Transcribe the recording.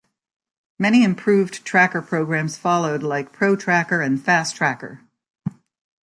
Many improved Tracker programs followed like Protracker and Fasttracker.